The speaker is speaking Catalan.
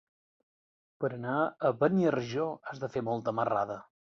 Per anar a Beniarjó has de fer molta marrada.